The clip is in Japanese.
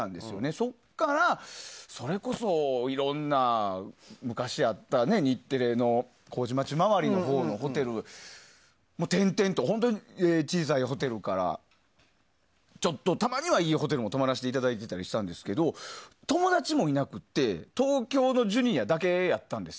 そこから、それこそいろんな昔あった日テレの麹町周りのほうのホテルを転々として本当、小さいホテルからちょっと、たまにはいいホテルも泊まらせていただいたりしていたんですけど友達もいなくて東京のジュニアだけだったんです。